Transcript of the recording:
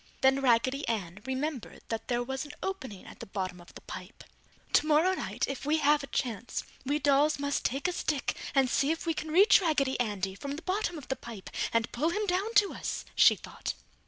Then Raggedy Ann remembered that there was an opening at the bottom of the pipe. "Tomorrow night if we have a chance, we dolls must take a stick and see if we can reach Raggedy Andy from the bottom of the pipe and pull him down to us!" she thought.